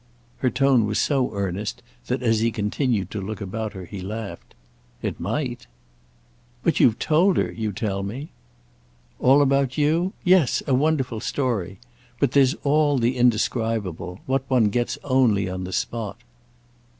Her tone was so earnest that as he continued to look about he laughed. "It might!" "But you've told her, you tell me—" "All about you? Yes, a wonderful story. But there's all the indescribable—what one gets only on the spot."